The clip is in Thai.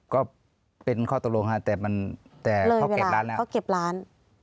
ก็เป็นข้อตกลงครับแต่เขาเก็บร้าน